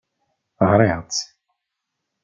Ɣriɣ-tt.